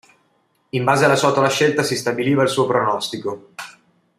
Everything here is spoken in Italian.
In base alla ciotola scelta si stabiliva il suo pronostico.